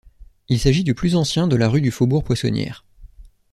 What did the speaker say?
Il s'agit du plus ancien de la rue du faubourg Poissonnière.